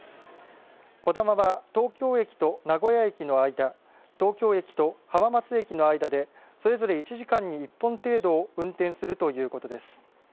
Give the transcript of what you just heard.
こだまは東京駅と名古屋駅の間東京駅と浜松駅の間でそれぞれ１時間に１本程度運転するということです。